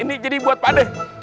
ini jadi buat pak deh